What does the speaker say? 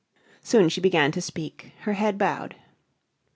Soon she began to speak, her head bowed.